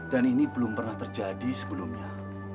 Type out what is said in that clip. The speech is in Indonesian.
dan ini belum pernah terjadi sebelumnya